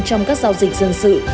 trong các giao dịch dân sự